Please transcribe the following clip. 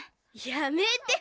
やめて！